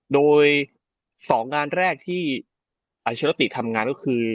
โดย๒งานแรกที่อัลเชอร์ติทำงานก็คือ